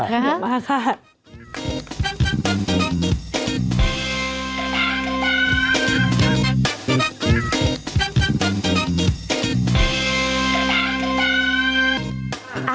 มาค่ะ